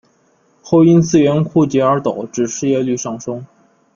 后因资源枯竭而导致失业率上升。